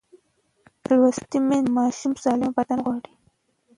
لوستې میندې د ماشوم سالم بدن غواړي.